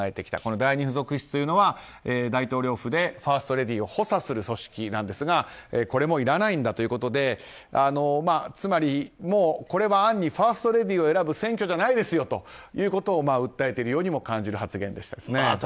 第２付属室というのは大統領府でファーストレディーを補佐する組織なんですがこれもいらないんだということでこれは暗にファーストレディーを選ぶ選挙じゃないですよということを訴えているようにも感じる発言でした。